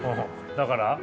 だから。